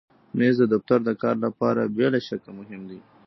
مېز د دفتر د کار لپاره بې له شکه مهم دی.